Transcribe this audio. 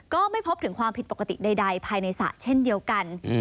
ก็ไม่พบถึงความผิดปกติใดภายในสระเช่นเดียวกัน